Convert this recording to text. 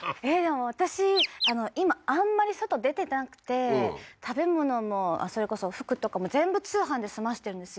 も私今あんまり外出てなくて食べ物もそれこそ服とかも全部通販で済ましてるんですよ